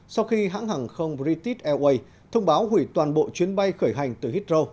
sau khi hãng hàng không british airways thông báo hủy toàn bộ chuyến bay khởi hành từ heathrow